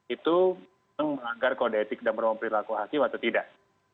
itu melanggar kode etik dan merupakan perilaku hakim atau tidak